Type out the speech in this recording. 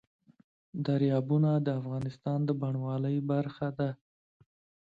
دریابونه د افغانستان د بڼوالۍ برخه ده.